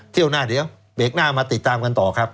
เที่ยวหน้าเดี๋ยวเบรกหน้ามาติดตามกันต่อครับ